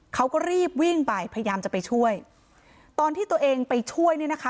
เขาก็รีบวิ่งไปพยายามจะไปช่วยตอนที่ตัวเองไปช่วยเนี่ยนะคะ